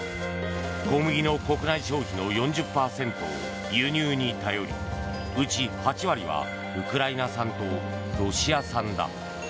小麦の国内消費の４０％を輸入に頼りうち８割はウクライナ産とロシア産だ。